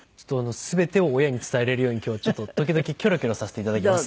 全てを親に伝えられるように今日はちょっと時々きょろきょろさせていただきます。